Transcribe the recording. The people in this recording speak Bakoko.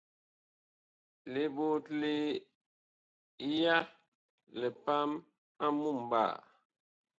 Liɓotle ya lipam a mumɓaa.